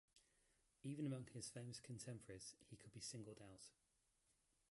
Even among his famous contemporaries he could be singled out.